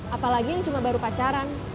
apalagi yang cuma baru pacaran